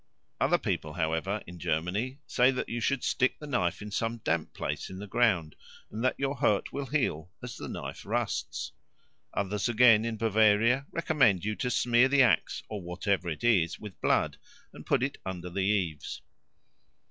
Other people, however, in Germany say that you should stick the knife in some damp place in the ground, and that your hurt will heal as the knife rusts. Others again, in Bavaria, recommend you to smear the axe or whatever it is with blood and put it under the eaves.